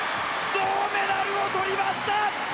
銅メダルを取りました！